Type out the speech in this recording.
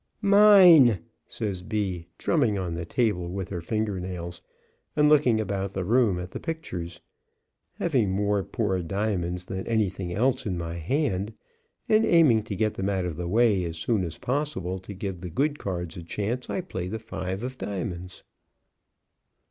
"Mine," says B, drumming on the table with her finger nails and looking about the room at the pictures. Having more poor diamonds than anything else in my hand, and aiming to get them out of the way as soon as possible to give the good cards a chance, I play the 5 of diamonds.